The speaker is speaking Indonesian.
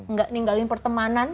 nggak ninggalin pertemanan